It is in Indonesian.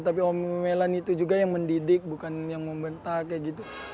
tapi omelan itu juga yang mendidik bukan yang membentak kayak gitu